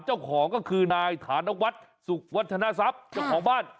เจ้าของก็คือนายฐานวัฒน์สุขวัฒนทรัพย์เจ้าของบ้าน